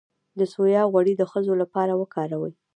د سویا غوړي د ښځو لپاره وکاروئ